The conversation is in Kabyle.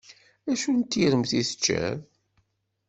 Acu n tiremt i teččiḍ?